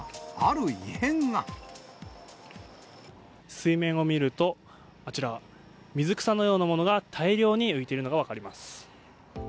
水面を見ると、あちら、水草のようなものが大量に浮いているのが分かります。